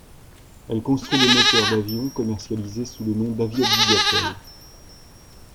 Elle construit des moteurs d'avions commercialisés sous le nom d'Aviadvigatel.